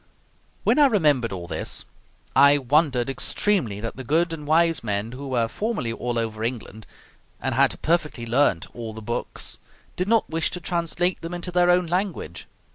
When I remembered all this, I wondered extremely that the good and wise men, who were formerly all over England, and had perfectly learnt all the books, did not wish to translate them into their own language.